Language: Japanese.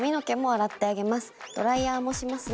ドライヤーもしますね。